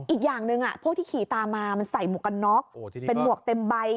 อีกอย่างหนึ่งพวกที่ขี่ตามมามันใส่หมวกกันน็อกเป็นหมวกเต็มใบ